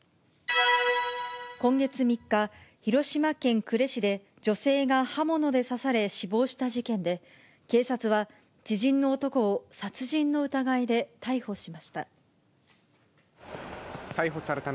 今月３日、広島県呉市で、女性が刃物で刺され死亡した事件で、警察は知人の男を殺人の疑いで逮捕しました。